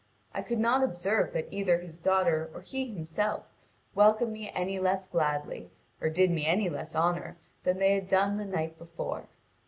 I could not observe that either his daughter or he himself welcomed me any less gladly, or did me any less honour than they had done the night before.